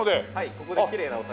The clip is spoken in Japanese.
ここできれいなお酒。